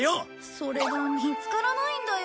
それが見つからないんだよ。